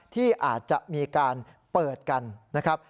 ที่อาจจะมีการเปิดกันนะครับ